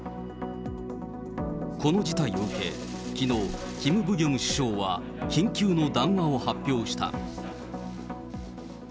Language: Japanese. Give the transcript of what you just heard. この事態を受け、きのう、キム・ブギョム首相は緊急の談話を発表した。